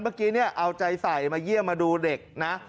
เมื่อกี้เนี่ยเอาใจใส่มาเยี่ยมมาดูเด็กนะ